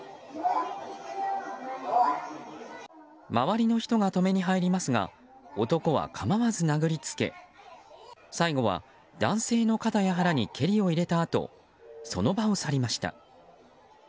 周りの人が止めに入りますが男は構わず殴りつけ最後は、男性の肩や腹に蹴りを入れたあとその場を去りました。